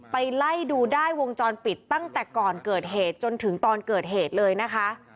ไปไล่ดูได้วงจรปิดตั้งแต่ก่อนเกิดเหตุจนถึงตอนเกิดเหตุเลยนะคะ